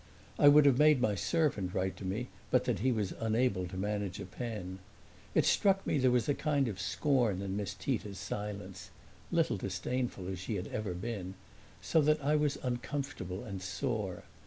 I would have made my servant write to me but that he was unable to manage a pen. It struck me there was a kind of scorn in Miss Tita's silence (little disdainful as she had ever been), so that I was uncomfortable and sore.